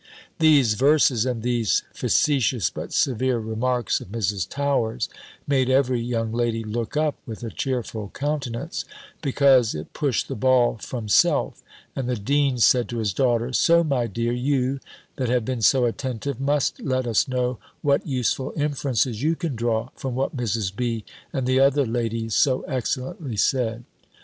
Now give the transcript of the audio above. These verses, and these facetious, but severe, remarks of Mrs. Towers, made every young lady look up with a cheerful countenance; because it pushed the ball from self: and the dean said to his daughter, "So, my dear, you, that have been so attentive, must let us know what useful inferences you can draw from what Mrs. B. and the other ladies so excellently said."